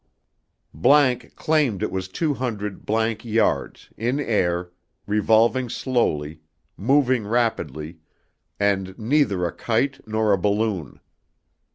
____ CLAIMED IT WAS TWO HUNDRED ____ YDS, IN AIR, REVOLVING SLOWLY, MOVING RAPIDLY, AND NEITHER A KITE NOR A BALLOON.